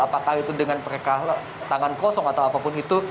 apakah itu dengan pereka tangan kosong atau apapun itu